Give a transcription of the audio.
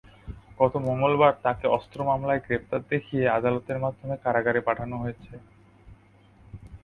গতকাল মঙ্গলবার তাঁকে অস্ত্র মামলায় গ্রেপ্তার দেখিয়ে আদালতের মাধ্যমে কারাগারে পাঠানো হয়েছে।